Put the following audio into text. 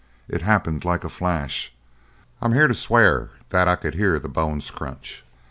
It happened like a flash I'm here to swear that I could hear the bones crunch.